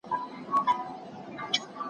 یادښتونه تر اورېدلو ډېر خوندي پاتې کېږي.